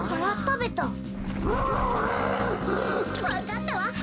わかったわ。